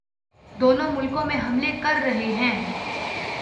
دونوں ملکوں میں حملے کررہے ہیں